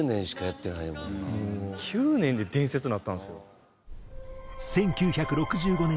９年で伝説になったんですよ。